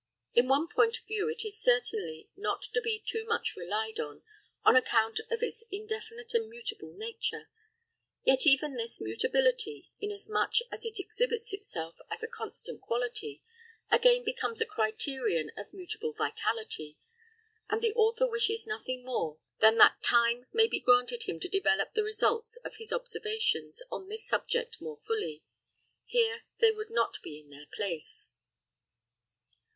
In one point of view it is certainly not to be too much relied on, on account of its indefinite and mutable nature; yet even this mutability, inasmuch as it exhibits itself as a constant quality, again becomes a criterion of a mutable vitality; and the author wishes nothing more than that time may be granted him to develop the results of his observations on this subject more fully; here they would not be in their place.